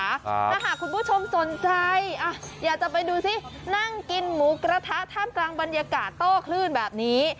ถ้าหากคุณผู้ชมสนใจอ่ะอยากจะไปดูซินั่งกินหมูกระทะท่ามกลางบรรยากาศโต้คลื่นแบบนี้